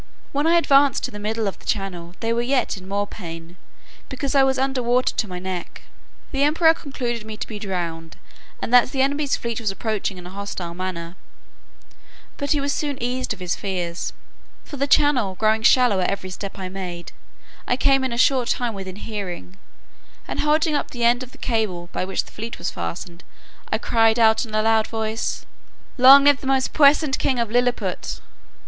When I advanced to the middle of the channel, they were yet more in pain, because I was under water to my neck. The emperor concluded me to be drowned, and that the enemy's fleet was approaching in a hostile manner: but he was soon eased of his fears; for the channel growing shallower every step I made, I came in a short time within hearing, and holding up the end of the cable, by which the fleet was fastened, I cried in a loud voice, "Long live the most puissant king of Lilliput!"